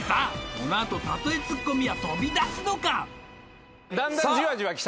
このあと例えツッコミは飛び出すのか！？